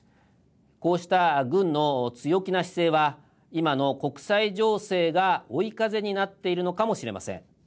こうした軍の強気な姿勢は今の国際情勢が、追い風になっているのかもしれません。